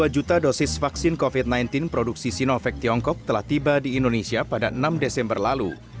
dua puluh dua juta dosis vaksin covid sembilan belas produksi sinovac tiongkok telah tiba di indonesia pada enam desember lalu